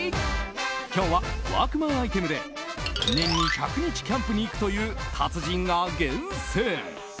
今日はワークマンアイテムで年に１００日キャンプに行くという達人が厳選。